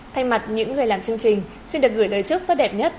thay mặt những người làm chương trình xin được gửi lời chúc tốt đẹp nhất